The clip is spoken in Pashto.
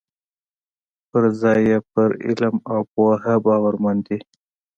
پر ځای یې پر علم او پوه باورمن دي.